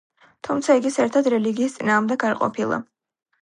თუმცა იგი საერთოდ რელიგიის წინააღმდეგი არ ყოფილა.